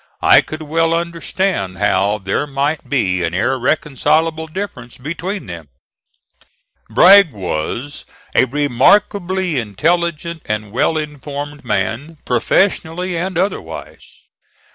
I could well understand how there might be an irreconcilable difference between them. Bragg was a remarkably intelligent and well informed man, professionally and otherwise.